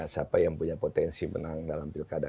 siapa yang punya potensi menang dalam pilkada